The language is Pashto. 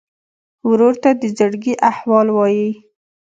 ورور ته د زړګي احوال وایې.